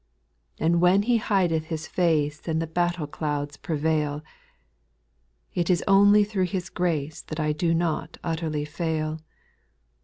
9. And when He hideth His face And the battle clouds prevail, It is only through His grace That I do not utterly fail.